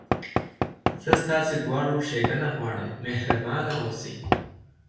زه ستاسي دواړو ښېګڼه غواړم، مهربانه اوسئ.